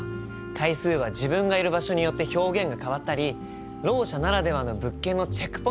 階数は自分がいる場所によって表現が変わったりろう者ならではの物件のチェックポイントとかね。